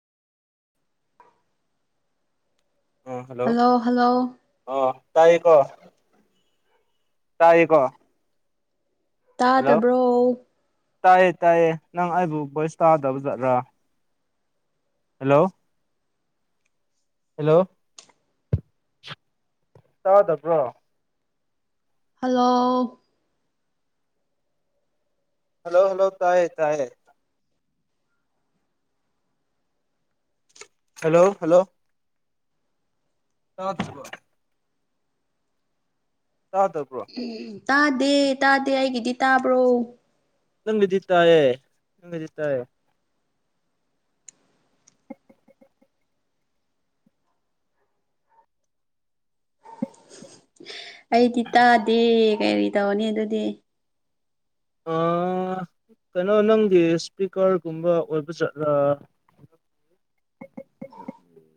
Hello hello. ꯑꯣ ꯇꯥꯏꯌꯦꯀꯣ꯫ ꯇꯥꯥꯏꯌꯦꯀꯣ꯫ ꯇꯥꯗꯕ꯭ꯔꯣ꯫ ꯇꯥꯏꯌꯦ ꯇꯥꯏꯌꯦ ꯅꯪ ꯑꯩꯕꯨ ꯕꯣꯏꯁ ꯇꯥꯗꯕ ꯖꯥꯠꯂ꯫ ꯍꯜꯂꯣ꯫ ꯍꯜꯂꯣ꯫ ꯇꯥꯗꯕ꯭ꯔꯣ꯫ ꯍꯜꯂꯣ꯫ ꯍꯜꯂꯣ ꯍꯜꯂꯣ ꯇꯥꯏꯌꯦ ꯇꯥꯏꯌꯦ꯫ Hello hello. ꯇꯥꯗꯔꯤꯕꯣ꯫ ꯇꯥꯗꯕꯔꯣ꯫ ꯇꯥꯗꯦ ꯇꯥꯗꯦ ꯑꯩꯒꯤꯗꯤ ꯇꯥꯕ꯭ꯔꯣ꯫ ꯅꯪꯒꯤꯗꯤ ꯇꯥꯏꯌꯦ ꯅꯪꯒꯤꯗꯤꯇꯥꯏꯌꯦ꯫ ꯑꯩꯗꯤ ꯇꯥꯗꯦ ꯀꯔꯤ ꯇꯧꯅꯤ ꯑꯗꯨꯗꯤ꯫ ꯑ ꯀꯩꯅꯣ ꯅꯪꯒꯤ ꯏꯁꯄꯤꯀꯔꯒꯨꯝꯕ ꯑꯣꯏꯕ ꯖꯥꯠꯂꯥ꯫